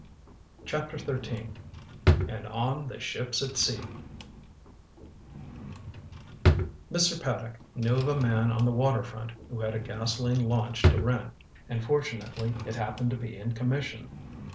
CHAPTER XIII "AND ON THE SHIPS AT SEA" Mr. Paddock knew of a man on the water front who had a gasoline launch to rent, and fortunately it happened to be in commission.